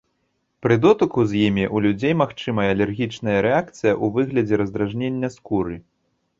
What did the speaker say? Пры дотыку з імі ў людзей магчымая алергічная рэакцыя ў выглядзе раздражнення скуры.